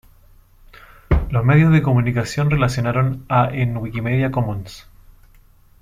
Los medios de comunicación relacionaron a en Wikimedia Commons